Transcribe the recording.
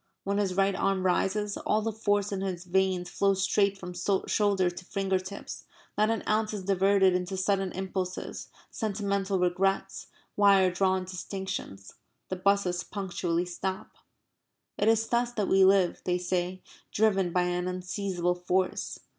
When his right arm rises, all the force in his veins flows straight from shoulder to finger tips; not an ounce is diverted into sudden impulses, sentimental regrets, wire drawn distinctions. The buses punctually stop. It is thus that we live, they say, driven by an unseizable force.